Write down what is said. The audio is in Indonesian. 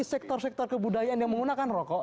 sektor sektor kebudayaan yang menggunakan rokok